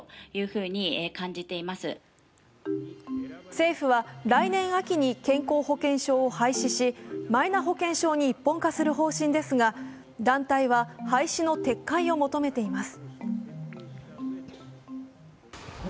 政府は来年秋に健康保険証を廃止しマイナ保険証に一本化する方針ですが団体は廃止の撤回を求めています。